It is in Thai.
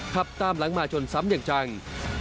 ขับตามหลังมาชนซ้ำอย่างจัง